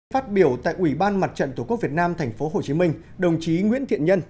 phát biểu tại ủy ban mặt trận tổ quốc việt nam tp hcm đồng chí nguyễn thiện nhân